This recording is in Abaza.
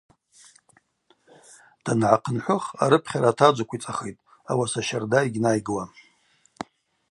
Дангӏахъынхӏвых арыпхьара атаджвыквицӏахитӏ, ауаса щарда йгьнайгуам.